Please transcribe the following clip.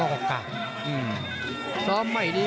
มันโดนแต่มันไม่ยุดนะ